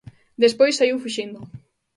Despois saíu fuxindo.